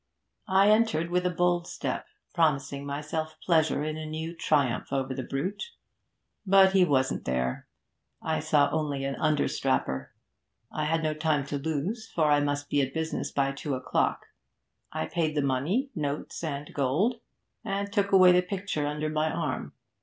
'I entered with a bold step, promising myself pleasure in a new triumph over the brute. But he wasn't there. I saw only an under strapper. I had no time to lose, for I must be at business by two o'clock. I paid the money notes and gold and took away the picture under my arm.